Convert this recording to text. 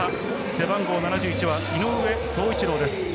背番号７１は井上宗一郎です。